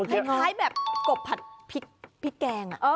กรบผัดพริกแกง